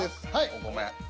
お米。